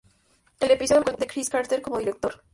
El episodio marcó el debut de Chris Carter como director.